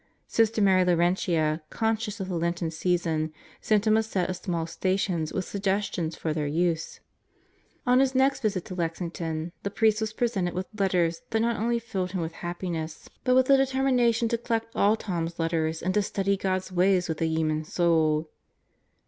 Sister Mary Laurentia, conscious of the Lenten Season, sent him a set of small stations with suggestions for their use. On his next visit to Lexington the priest was presented with letters that not only filled him with happiness but with the deter 56 God Goes to Murderers Row mination to collect all Tom's letters and study God's ways with a human soul.